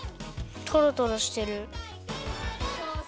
とろとろしてる。